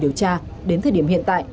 điều tra đến thời điểm hiện tại